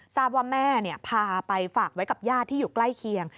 ทราบว่าแม่พาไปฝากไว้กับญาติที่อยู่ใกล้เคียง